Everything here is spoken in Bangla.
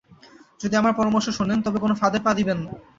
যদি আমার পরামর্শ শোনেন, তবে কোন ফাঁদে পা দিবেন না।